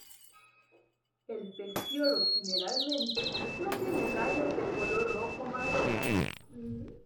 El pecíolo generalmente no tiene rayas de color rojo-marrón.